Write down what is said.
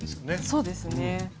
そうですね。